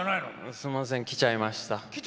すみません来ちゃいました。